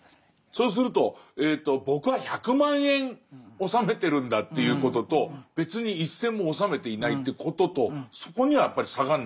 そうすると僕は１００万円納めてるんだということと別に一銭も納めていないということとそこにはやっぱり差がない？